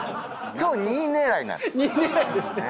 今日２位狙いなんですよ。